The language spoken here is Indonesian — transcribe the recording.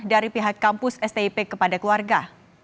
dari pihak kampus stip kepada keluarga